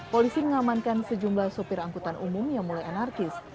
polisi mengamankan sejumlah sopir angkutan umum yang mulai anarkis